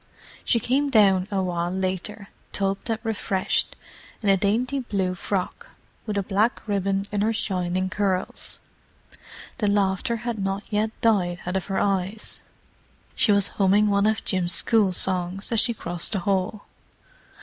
She came down a while later, tubbed and refreshed, in a dainty blue frock, with a black ribbon in her shining curls. The laughter had not yet died out of her eyes; she was humming one of Jim's school songs as she crossed the hall.